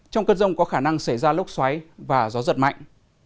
trong cơn rông có khả năng xảy ra lốc xoáy và gió giật mạnh